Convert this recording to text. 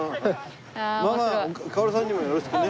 ママかおるさんにもよろしくね。